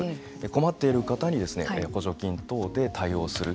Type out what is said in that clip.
困っている方に補助金等で対応する。